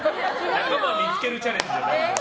仲間を見つけるチャレンジじゃないです。